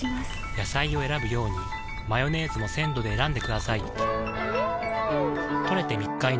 野菜を選ぶようにマヨネーズも鮮度で選んでくださいん！